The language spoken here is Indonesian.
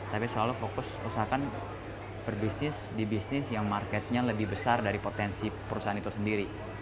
tapi selalu fokus usahakan berbisnis di bisnis yang marketnya lebih besar dari potensi perusahaan itu sendiri